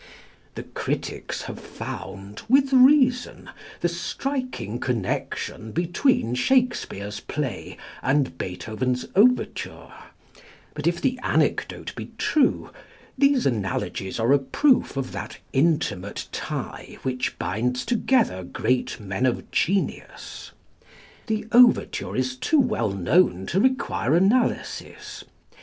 The critics have found, with reason, the striking connection between Shakespeare's play and Beethoven's overture; but if the anecdote be true, these analogies are a proof of that intimate tie which binds together great men of genius. The overture is too well known to require analysis.